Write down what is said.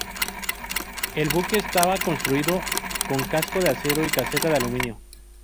El buque estaba construido con casco de acero y caseta de aluminio.